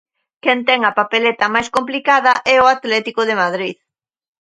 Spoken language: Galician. Quen ten a papeleta máis complicada é o Atlético de Madrid.